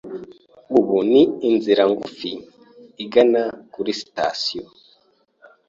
Ubu ni inzira ngufi igana kuri sitasiyo.